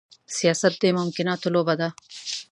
سياست د ممکناتو لوبه ده.